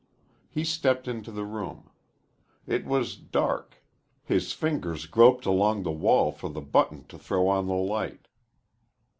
He stepped into the room. It was dark. His fingers groped along the wall for the button to throw on the light.